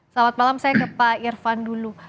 selamat malam saya ke pak irfan dulu